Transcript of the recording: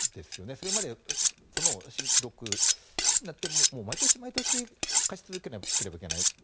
それまで、その記録棋士になって毎年、毎年勝ち続けなければいけない。